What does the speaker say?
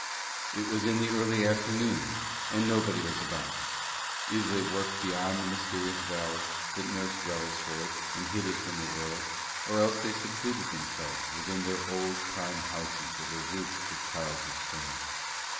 It was in the early afternoon, and nobody was about. Either they worked beyond the mysterious valley that nursed Wrellisford and hid it from the world, or else they secluded themselves within their old time houses that were roofed with tiles of stone.